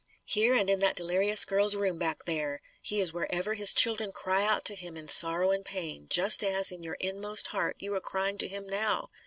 "Here, and in that delirious girl's room, back there. He is wherever His children cry out to Him in sorrow and pain just as, in your inmost heart, you are crying to Him now.